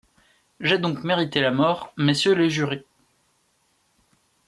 J'ai donc mérité la mort, messieurs les jurés.